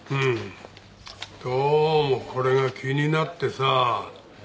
どうもこれが気になってさ。